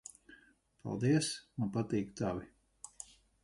Paldies. Man patīk tavi.